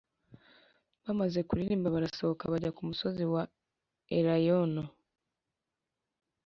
Bamaze kuririmba barasohoka, bajya ku musozi wa Elayono.